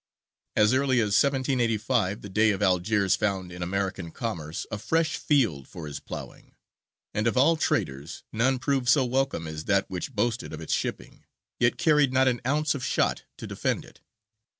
As early as 1785 the Dey of Algiers found in American commerce a fresh field for his ploughing; and of all traders, none proved so welcome as that which boasted of its shipping, yet carried not an ounce of shot to defend it.